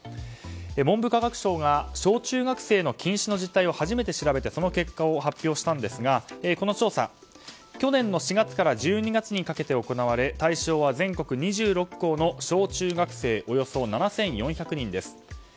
文部科学省が小中学生の近視の実態を始めて調べてその結果を発表したんですがこの調査、去年の４月から１２月にかけて行われ対象は全国２６校の小中学生およそ７４００人です。